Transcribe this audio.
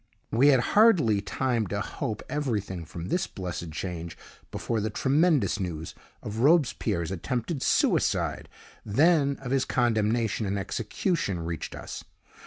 We had hardly time to hope everything from this blessed change before the tremendous news of Robespierre's attempted suicide, then of his condemnation and execution, reached us.